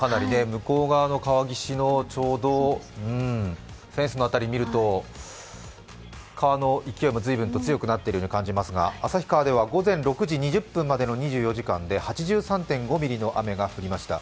向こう側の川岸のちょうどフェンスの辺りを見ると、川の勢いが随分と強くなっているように感じますが旭川では午前６時２０分までの２４時間で８３．５ミリの雨が降りました。